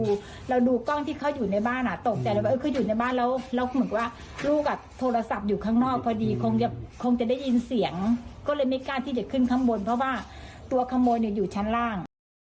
ก็เลยไม่กล้าที่จะขึ้นข้างบนเพราะว่าตัวขโมยเนี่ยอยู่ชั้นล่าง